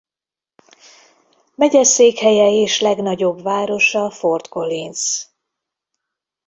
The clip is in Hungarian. Megyeszékhelye és legnagyobb városa Fort Collins.